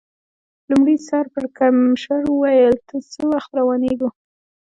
لومړي سر پړکمشر وویل: څه وخت روانېږو؟